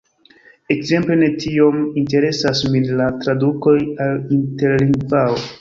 Ekzemple, ne tiom interesas min la tradukoj al Interlingvao.